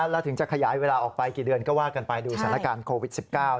แล้วถึงจะขยายเวลาออกไปกี่เดือนก็ว่ากันไปดูสถานการณ์โควิด๑๙